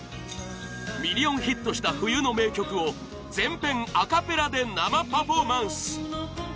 ミリオンヒットした冬の名曲を全編アカペラで生パフォーマンス！